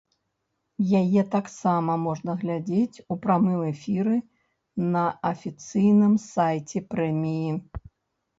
Яе таксама можна глядзець у прамым эфіры на афіцыйным сайце прэміі.